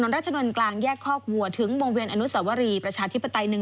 ถนนราชนวลกลางแยกคลอกวัวถึงวงเวียนอนุสวรีประชาธิปไตย